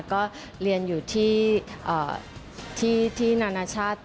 ก็เรียนอยู่ที่นานาชาติ